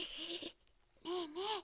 ねえねえ